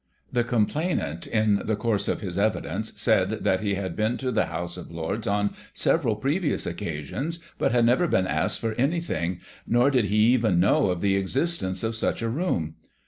The complainant, in the course of his evidence, said that he had been to the House of Lords on several previous occa sions, but had never been asked for anything, nor did he even know of the existence of such a room.